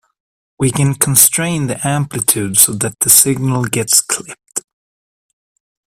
We can constrain the amplitude so that the signal gets clipped.